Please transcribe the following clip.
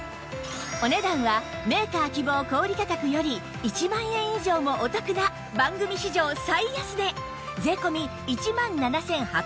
お値段はメーカー希望小売価格より１万円以上もお得な番組史上最安値税込１万７８００円